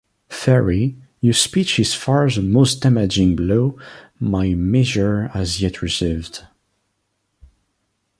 Ferry, your speech is far the most damaging blow my measure has yet received.